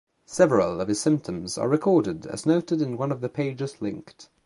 Several of his symphonies are recorded, as noted in one of the pages linked.